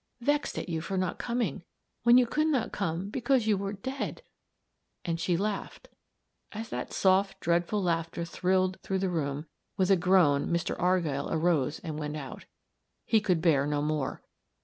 Vexed at you for not coming, when you could not come because you were dead!" and she laughed. As that soft, dreadful laughter thrilled through the room, with a groan Mr. Argyll arose and went out; he could bear no more.